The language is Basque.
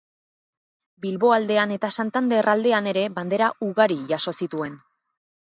Bilbo aldean eta Santander aldean ere bandera ugari jaso zituen.